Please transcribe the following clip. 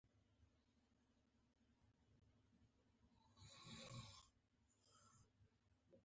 زه باید له هغوی سره ملګری نه وای نو ودرېدم